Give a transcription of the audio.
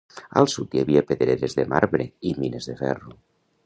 Al sud hi havia pedreres de marbre i mines de ferro.